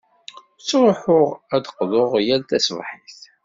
Ttruḥuɣ ad d-qḍuɣ yal taṣebḥit.